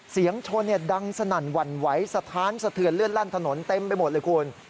เสียงชนดังสนั่นหวั่นไหวสะท้านสะเทือนเลือดลั่นถนนเต็มไปหมดเลยคุณ